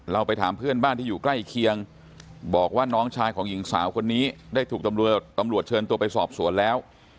ไปถามเพื่อนบ้านที่อยู่ใกล้เคียงบอกว่าน้องชายของหญิงสาวคนนี้ได้ถูกตำรวจตำรวจเชิญตัวไปสอบสวนแล้ว